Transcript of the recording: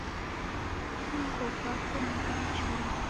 Nyango ghwapo ni ghwa chuma